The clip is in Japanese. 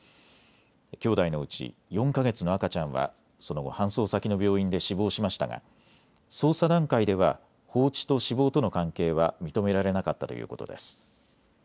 兄弟のうち４か月の赤ちゃんはその後、搬送先の病院で死亡しましたが捜査段階では放置と死亡との関係は認められなかったということです。